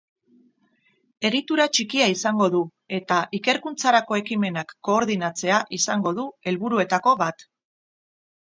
Egitura txikia izango du, eta ikerkuntzarako ekimenak koordinatzea izango du helburuetako bat.